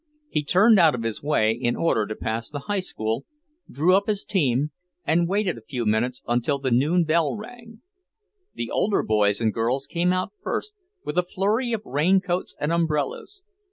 He turned out of his way in order to pass the High School, drew up his team, and waited a few minutes until the noon bell rang. The older boys and girls came out first, with a flurry of raincoats and umbrellas.